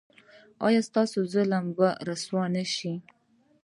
ایا ستاسو ظالم به رسوا نه شي؟